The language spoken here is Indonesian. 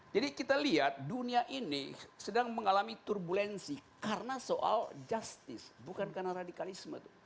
jadi kita lihat dunia ini sedang mengalami turbulensi karena soal justice bukan karena radikalisme